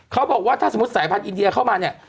เขาบอกว่าถ้าสมมุติสายพันธุอินเดียเข้ามาเนี่ย